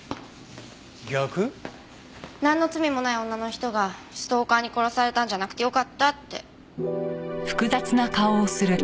なんの罪もない女の人がストーカーに殺されたんじゃなくてよかったって。